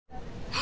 あ！